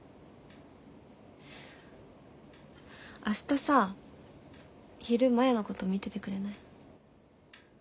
明日さ昼摩耶のこと見ててくれない？